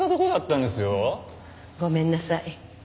ごめんなさい。